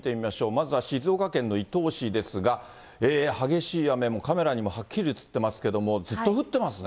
まずは静岡県の伊東市ですが、激しい雨も、カメラにもはっきりと映ってますけれども、ずっと降ってますね。